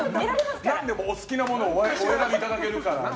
お好きなものをお選びいただけるから。